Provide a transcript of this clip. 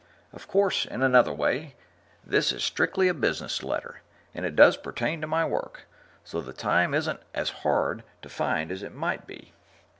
Of course, in another way, this is strictly a business letter, and it does pertain to my work, so the time isn't as hard to find as it might be.